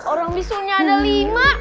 orang bisulnya ada lima